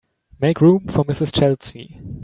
Make room for Mrs. Chelsea.